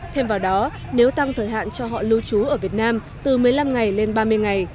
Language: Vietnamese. thêm vào đó nếu tăng thời hạn cho họ lưu trú ở việt nam từ một mươi năm ngày lên ba mươi ngày